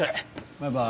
バイバーイ。